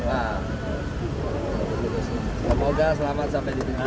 semoga selamat sampai di dunia ini